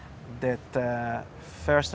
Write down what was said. pertama dan terutama